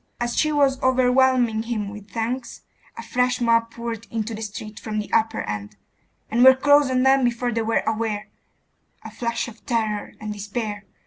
as she was overwhelming him with thanks, a fresh mob poured into the street from the upper end, and were close on them before they were aware .... A flush of terror and despair